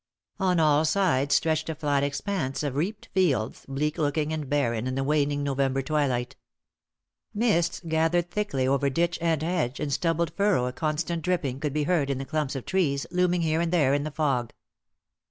On all sides stretched a flat expanse of reaped fields, bleak looking and barren in the waning November twilight. Mists gathered thickly over ditch and hedge and stubbled furrow a constant dripping could be heard in the clumps of trees looming here and there in the fog.